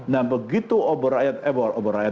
nah begitu obor rakyat obor rakyat